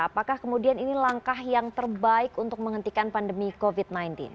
apakah kemudian ini langkah yang terbaik untuk menghentikan pandemi covid sembilan belas